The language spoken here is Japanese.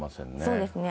そうですね。